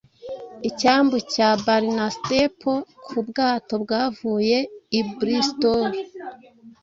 icyambu cya Barnstaple ku bwato bwavuye i Bristol